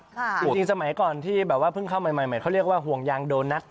จริงสมัยก่อนที่แบบว่าเพิ่งเข้าใหม่เขาเรียกว่าห่วงยางโดนัท